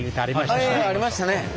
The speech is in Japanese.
ありましたね。